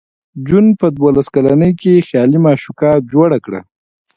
جون په دولس کلنۍ کې خیالي معشوقه جوړه کړه